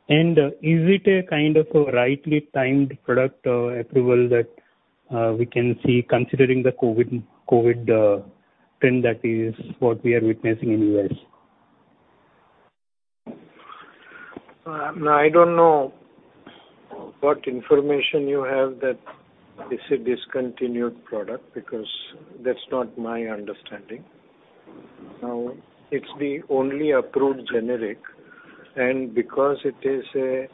Is it a kind of a rightly timed product approval that we can see considering the COVID trend that is what we are witnessing in U.S.? No, I don't know what information you have that it's a discontinued product, because that's not my understanding. Now, it's the only approved generic, and because it is a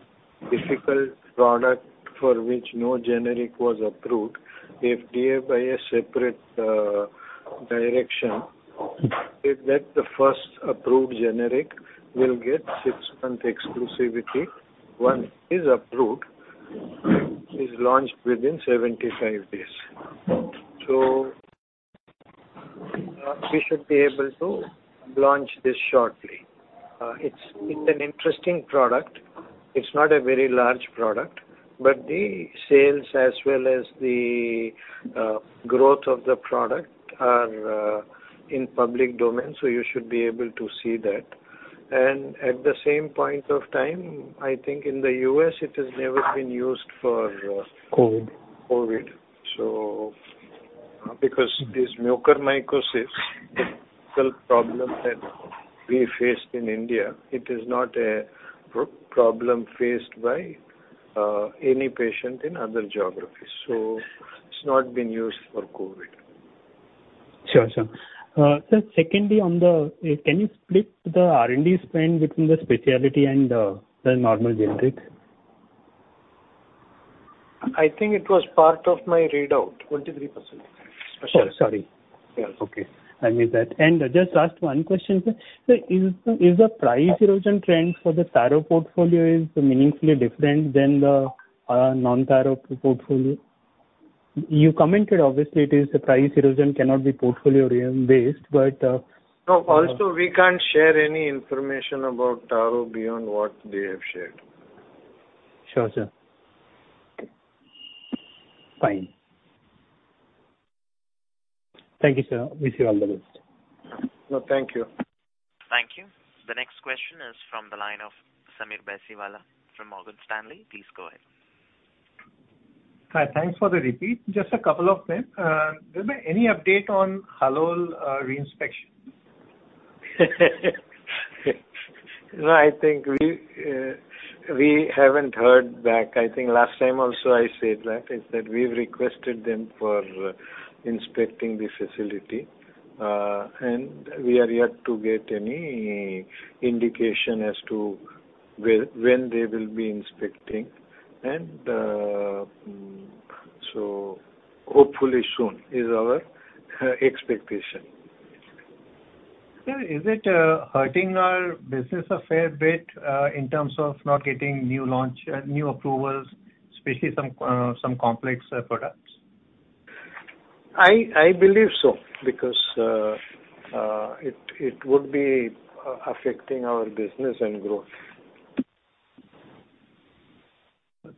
difficult product for which no generic was approved, FDA, by a separate direction, said that the first approved generic will get six-month exclusivity. One is approved, launched within 75 days. We should be able to launch this shortly. It's an interesting product. It's not a very large product, but the sales as well as the growth of the product are in public domain, so you should be able to see that. At the same point of time, I think in the U.S. it has never been used for- COVID. Because this mucormycosis is a local problem that we faced in India, it is not a problem faced by any patient in other geographies. It's not been used for COVID. Sure, sir. Sir, secondly on the, can you split the R&D spend between the specialty and, the normal generic? I think it was part of my readout, 23% specialty. Oh, sorry. Yes. Okay. I missed that. Just last one question, sir. Sir, is the price erosion trend for the Taro portfolio is meaningfully different than the non-Taro portfolio? You commented obviously it is the price erosion cannot be portfolio-based, but No. Also we can't share any information about Taro beyond what they have shared. Sure, sir. Fine. Thank you, sir. Wish you all the best. No, thank you. Thank you. The next question is from the line of Sameer Baisiwala from Morgan Stanley. Please go ahead. Hi. Thanks for the repeat. Just a couple of them. Will there be any update on Halol re-inspection? No, I think we haven't heard back. I think last time also I said that is that we've requested them for inspecting the facility, and we are yet to get any indication as to when they will be inspecting. Hopefully soon is our expectation. Sir, is it hurting our business a fair bit in terms of not getting new launch new approvals, especially some complex products? I believe so, because it would be affecting our business and growth.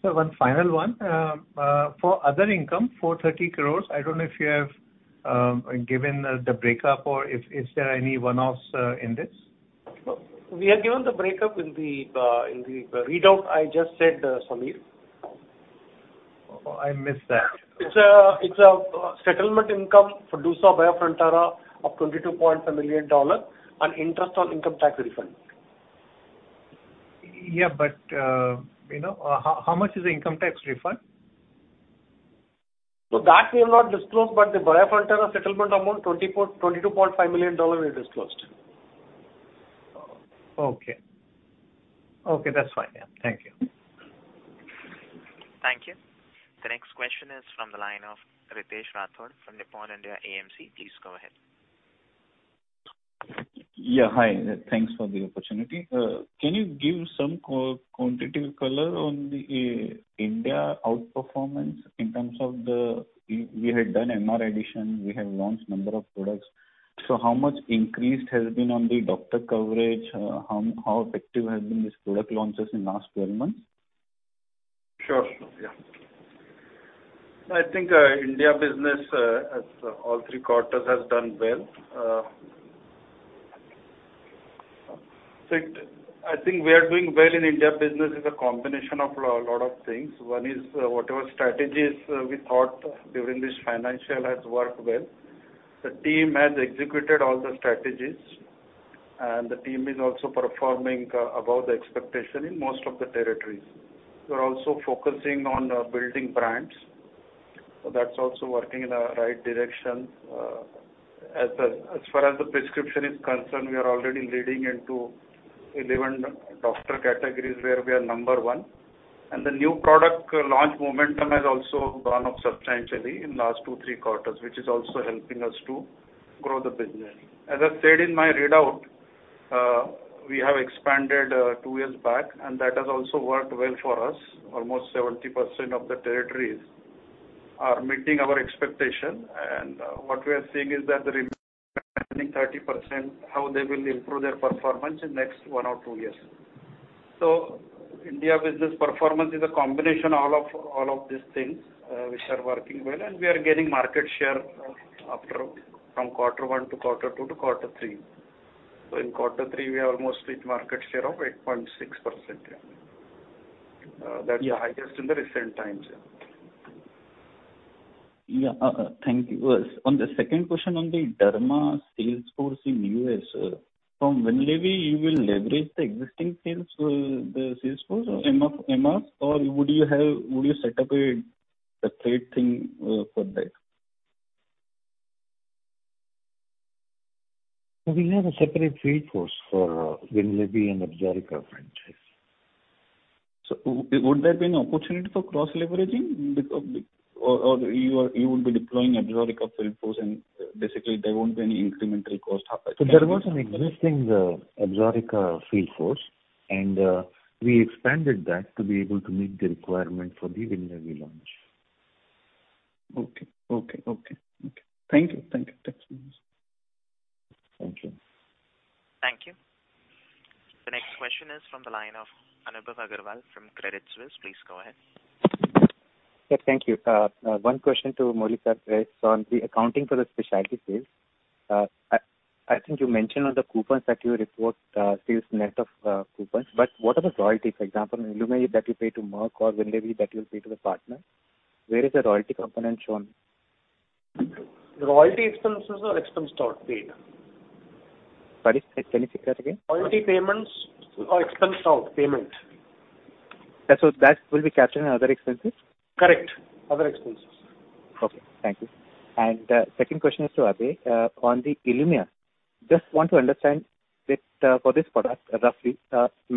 Sir, one final one. For other income, 430 crore, I don't know if you have given the breakup or if there is any one-offs in this? We have given the breakup in the readout I just said, Sameer. Oh, I missed that. It's a settlement income for DUSA Biofrontera of $22.5 million and interest on income tax refund. Yeah, you know, how much is the income tax refund? that we have not disclosed, but the Biofrontera settlement amount, $22.5 million, we disclosed. Okay. Okay, that's fine. Yeah. Thank you. Thank you. The next question is from the line of Ritesh Rathod from Nippon India AMC. Please go ahead. Yeah, hi, thanks for the opportunity. Can you give some quantitative color on the India outperformance in terms of the We had done MR addition, we have launched number of products. So how much increase has been on the doctor coverage? How effective has been this product launches in last 12 months? Sure. Yeah. I think India business, as all three quarters has done well. I think we are doing well in India business is a combination of a lot of things. One is, whatever strategies we thought during this financial has worked well. The team has executed all the strategies, and the team is also performing above the expectation in most of the territories. We're also focusing on building brands. So that's also working in the right direction. As far as the prescription is concerned, we are already leading in 11 doctor categories where we are number one. The new product launch momentum has also gone up substantially in last two, three quarters, which is also helping us to grow the business. As I said in my readout, we have expanded two years back, and that has also worked well for us. Almost 70% of the territories are meeting our expectation. What we are seeing is that the remaining 30%, how they will improve their performance in next one or two years. India business performance is a combination all of these things, which are working well, and we are gaining market share from quarter one to quarter two to quarter three. In quarter three we are almost with market share of 8.6%. That's the highest in the recent times. Yeah. Thank you. On the second question on the derma sales force in U.S. From Vyleesi, you will leverage the existing sales, the sales force or MR, or would you set up a separate thing for that? We have a separate field force for Vyleesi and ABSORICA franchise. Would there be an opportunity for cross-leveraging? Or you would be deploying ABSORICA field force and basically there won't be any incremental cost happening. There was an existing ABSORICA field force, and we expanded that to be able to meet the requirement for the Vyleesi launch. Okay. Thank you. Thanks so much. Thank you. Thank you. The next question is from the line of Anubhav Aggarwal from Credit Suisse. Please go ahead. Yeah. Thank you. One question to Muralidharan on the accounting for the specialty sales. I think you mentioned on the coupons that you report sales net of coupons, but what are the royalties? For example, ILUMYA that you pay to Merck or Vyleesi that you'll pay to the partner. Where is the royalty component shown? Royalty expenses are expensed as paid. Pardon. Can you say that again? Royalty payments are expensed out payment. That will be captured in other expenses? Correct. Other expenses. Okay. Thank you. Second question is to Abhay. On the ILUMYA, just want to understand that for this product roughly,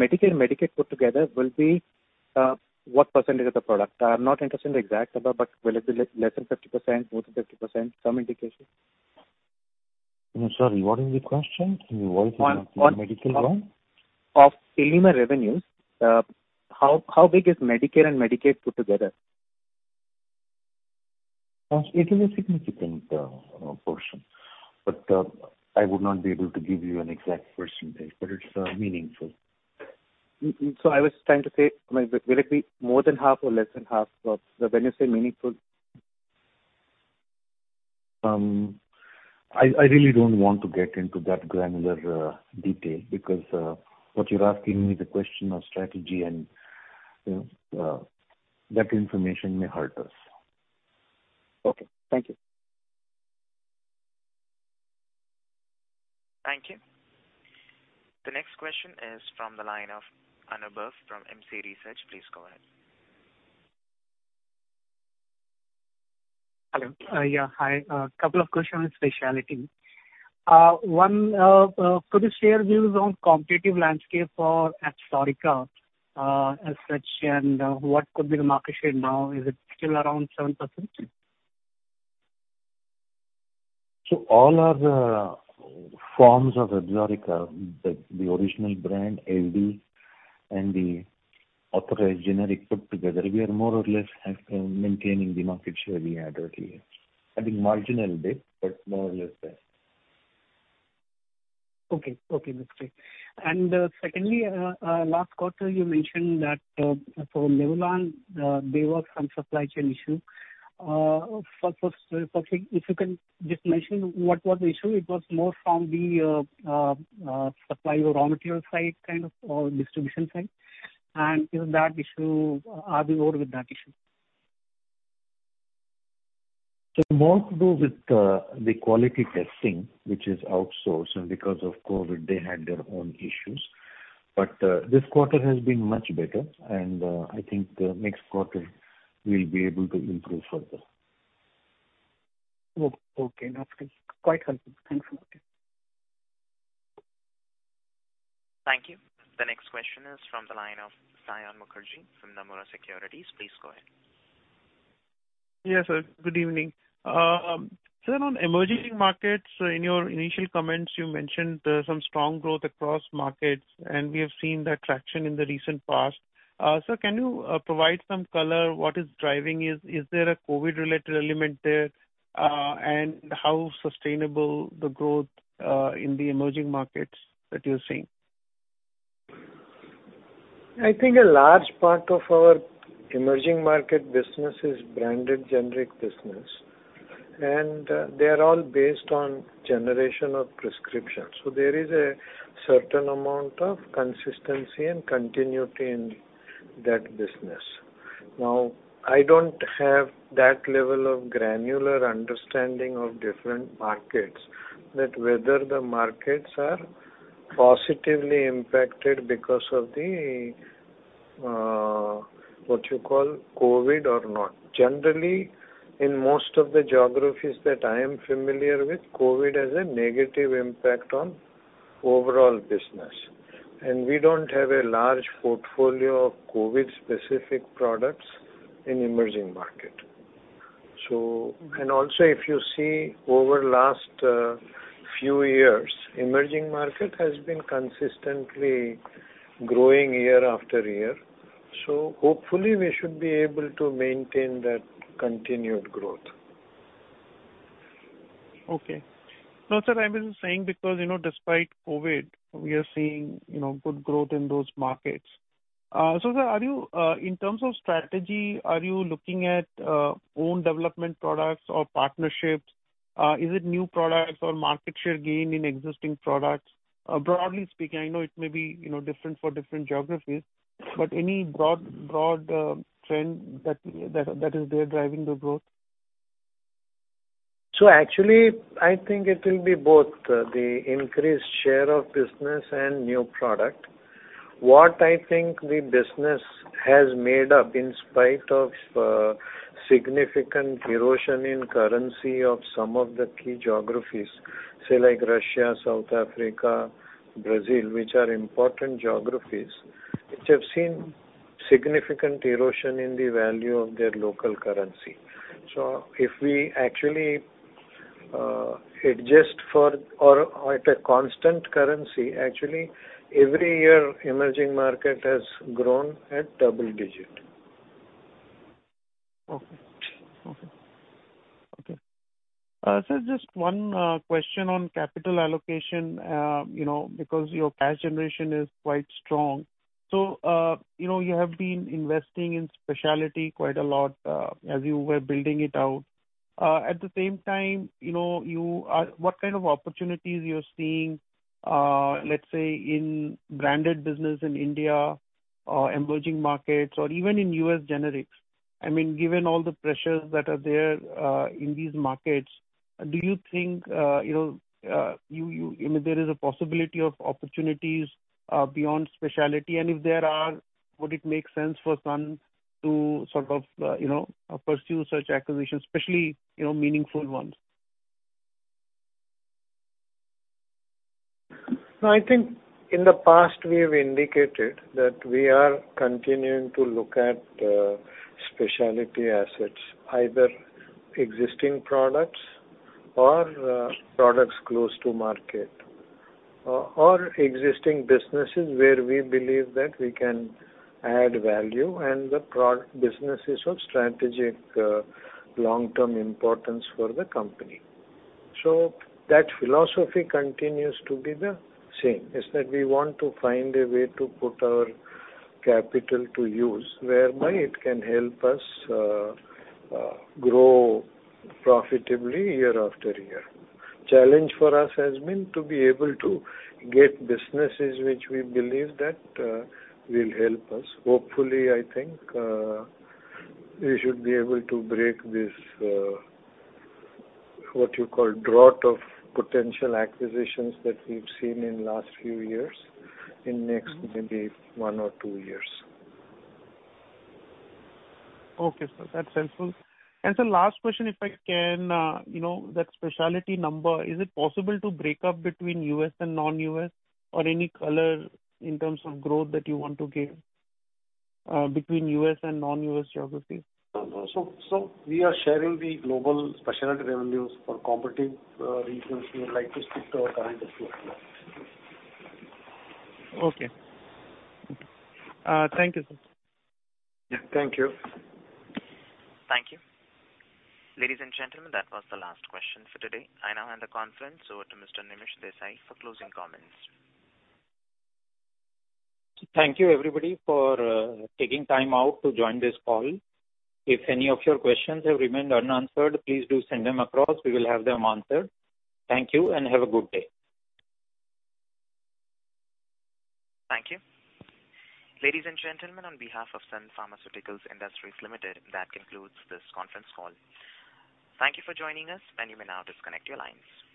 Medicare and Medicaid put together will be what percentage of the product? I'm not interested in the exact number, but will it be less than 50%, more than 50%? Some indication. Sorry, what is the question? Royalty on ILUMYA? Of ILUMYA revenues, how big is Medicare and Medicaid put together? It is a significant portion, but I would not be able to give you an exact percentage, but it's meaningful. I was trying to say, like, will it be more than half or less than half of when you say meaningful? I really don't want to get into that granular detail because what you're asking me is a question of strategy and that information may hurt us. Okay. Thank you. Thank you. The next question is from the line of Anubhav Aggarwal from Credit Suisse. Please go ahead. Hello. Yeah, hi. A couple of questions on specialty. One, could you share views on competitive landscape for ABSORICA, as such and what could be the market share now? Is it still around 7%? All our forms of ABSORICA, the original brand LD and the authorized generic put together, we are more or less maintaining the market share we had earlier. I think marginal bit, but more or less there. Okay. Okay, that's great. Secondly, last quarter you mentioned that for Nidlegy there were some supply chain issue. If you can just mention what was the issue, it was more from the supply or raw material side kind of, or distribution side? Is that issue, are we over with that issue? More to do with the quality testing which is outsourced and because of COVID they had their own issues. This quarter has been much better and I think the next quarter we'll be able to improve further. Okay. That's quite helpful. Thanks a lot. Thank you. The next question is from the line of Saion Mukherjee from Nomura Securities. Please go ahead. Yes, good evening. On emerging markets, in your initial comments you mentioned some strong growth across markets, and we have seen that traction in the recent past. Can you provide some color, what is driving it? Is there a COVID-related element there? How sustainable is the growth in the emerging markets that you're seeing? I think a large part of our emerging market business is branded generic business, and they are all based on generation of prescriptions. There is a certain amount of consistency and continuity in that business. Now, I don't have that level of granular understanding of different markets, that whether the markets are positively impacted because of the, what you call COVID or not. Generally, in most of the geographies that I am familiar with, COVID has a negative impact on overall business. We don't have a large portfolio of COVID specific products in emerging market. And also if you see over last, few years, emerging market has been consistently growing year after year. Hopefully we should be able to maintain that continued growth. Okay. No, sir. I'm just saying because, you know, despite COVID, we are seeing, you know, good growth in those markets. Sir, are you in terms of strategy, are you looking at own development products or partnerships? Is it new products or market share gain in existing products? Broadly speaking, I know it may be, you know, different for different geographies, but any broad trend that is there driving the growth? Actually I think it will be both, the increased share of business and new product. What I think the business has made up in spite of, significant erosion in currency of some of the key geographies, say like Russia, South Africa, Brazil, which are important geographies which have seen significant erosion in the value of their local currency. If we actually, adjust for or at a constant currency, actually every year emerging market has grown at double digit. Just one question on capital allocation. You know, because your cash generation is quite strong. You know, you have been investing in specialty quite a lot, as you were building it out. At the same time, you know, what kind of opportunities you're seeing, let's say in branded business in India or emerging markets or even in U.S. generics. I mean, given all the pressures that are there in these markets, do you think, I mean, there is a possibility of opportunities beyond specialty? If there are, would it make sense for Sun to sort of, you know, pursue such acquisitions, especially meaningful ones? No, I think in the past we have indicated that we are continuing to look at specialty assets, either existing products or products close to market, or existing businesses where we believe that we can add value and the business is of strategic long-term importance for the company. That philosophy continues to be the same is that we want to find a way to put our capital to use whereby it can help us grow profitably year after year. Challenge for us has been to be able to get businesses which we believe that will help us. Hopefully, I think we should be able to break this what you call drought of potential acquisitions that we've seen in last few years in next maybe one or two years. Okay, sir. That's helpful. Sir, last question, if I can, you know that specialty number, is it possible to break up between U.S. and non-U.S. or any color in terms of growth that you want to give, between U.S. and non-U.S. geographies? We are sharing the global specialty revenues for competitive reasons. We would like to stick to our current disclosure. Okay. Thank you, sir. Yeah. Thank you. Thank you. Ladies and gentlemen, that was the last question for today. I now hand the conference over to Mr. Nimish Desai for closing comments. Thank you, everybody, for taking time out to join this call. If any of your questions have remained unanswered, please do send them across. We will have them answered. Thank you, and have a good day. Thank you. Ladies and gentlemen, on behalf of Sun Pharmaceutical Industries Limited, that concludes this conference call. Thank you for joining us, and you may now disconnect your lines.